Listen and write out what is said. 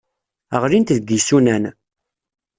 Ɣlint deg yisunan.